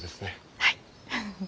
はい！